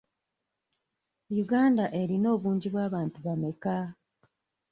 Uganda erina obungi bw'abantu bameka?